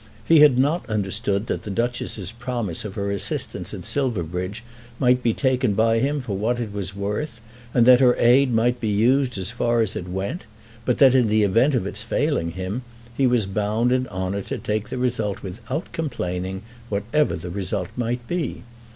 He had not understood that the Duchess's promise of her assistance at Silverbridge might be taken by him for what it was worth, and that her aid might be used as far as it went, but, that in the event of its failing him, he was bound in honour to take the result without complaining, whatever that result might be.